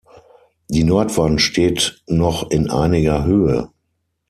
Die Nordwand steht noch in einiger Höhe.